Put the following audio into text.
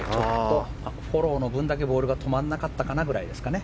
フォローの分だけボールが止まらなかったくらいですかね。